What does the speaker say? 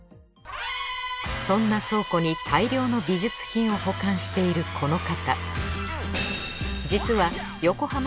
そんな倉庫に大量の美術品を保管しているこの方。